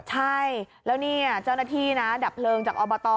ใช่แล้วเจ้าหน้าที่ดับเพลิงจากออลบทอ